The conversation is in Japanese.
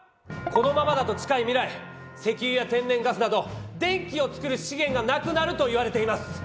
このままだと近い未来石油や天然ガスなど電気を作る資源が無くなるといわれています！